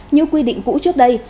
như quy định cũ trước đây